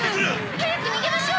早く逃げましょう！